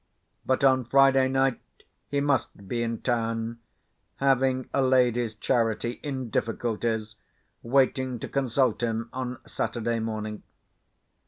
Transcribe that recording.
But on Friday night he must be in town, having a Ladies' Charity, in difficulties, waiting to consult him on Saturday morning.